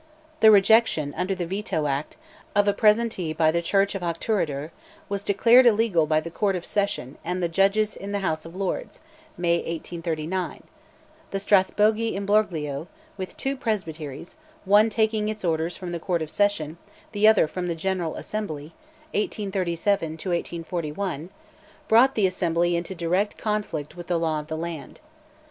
The rejection, under the Veto Act, of a presentee by the church of Auchterarder, was declared illegal by the Court of Session and the judges in the House of Lords (May 1839); the Strathbogie imbroglio, "with two Presbyteries, one taking its orders from the Court of Session, the other from the General Assembly" (1837 1841), brought the Assembly into direct conflict with the law of the land.